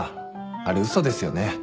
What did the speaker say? あれ嘘ですよね。